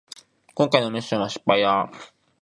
こんかいのミッションは失敗だ